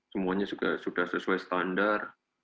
semuanya sudah sesuai standar